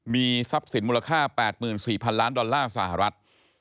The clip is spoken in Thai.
มีทรัพย์สินมูลค่า๘๔๐๐๐ล้านดอลลาร์สหรัฐ